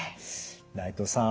内藤さん